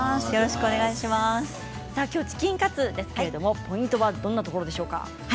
きょうはチキンカツですけれどもポイントはどんなところでしょうか。